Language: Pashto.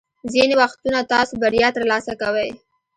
ځینې وختونه تاسو بریا ترلاسه کوئ.